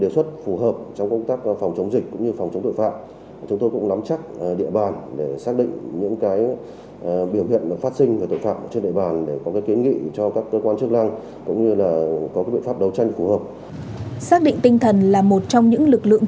xác định tinh thần là một trong những lực lượng